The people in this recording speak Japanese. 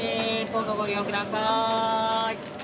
どうぞご利用ください